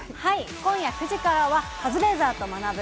今夜９時からは『カズレーザーと学ぶ。』